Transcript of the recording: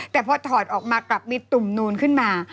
แต่พอถอดออกมากลับมีตุ่มนูนขึ้นมา